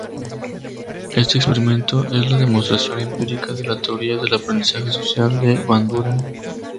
Este experimento es la demostración empírica de la teoría del aprendizaje social de Bandura.